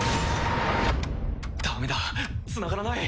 ダメだつながらない。